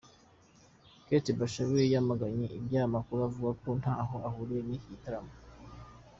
Kate Bashabe yamaganye iby'aya makuru avuga ko ntaho ahuriye n'iki gitaramo.